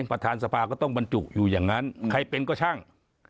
ประธานสภาก็ต้องบรรจุอยู่อย่างนั้นใครเป็นก็ช่าง